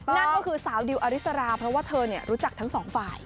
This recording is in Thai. นั่นก็คือสาวดิวอริสราเพราะว่าเธอรู้จักทั้งสองฝ่าย